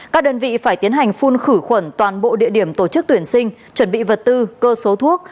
các đơn vị phải tiến hành phun khử khuẩn toàn bộ địa điểm tổ chức tuyển sinh chuẩn bị vật tư cơ số thuốc